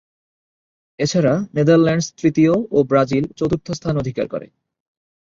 এছাড়া নেদারল্যান্ডস তৃতীয় ও ব্রাজিল চতুর্থ স্থান অধিকার করে।